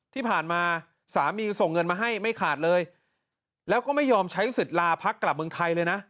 ที่ผ่านมาสามีส่งเงินมาให้ไม่ขาดเลยแล้วก็ไม่ยอมใช้สิทธิ์ลาพักกลับเมืองไทยเลยนะ